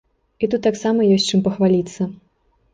І тут таксама ёсць чым пахваліцца.